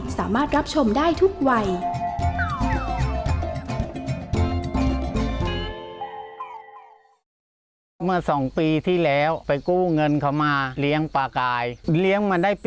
สามารถรับชมได้ทุกวัย